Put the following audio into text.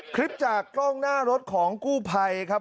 คลิปจากกล้องหน้ารถของกู้ภัยครับ